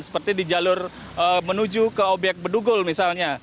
seperti di jalur menuju ke obyek bedugul misalnya